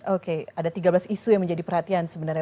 oke ada tiga belas isu yang menjadi perhatian sebenarnya